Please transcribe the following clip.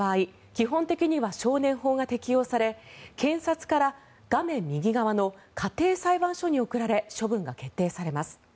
基本的には少年法が適用され検察から画面右側の家庭裁判所に送られ処分が決定されます。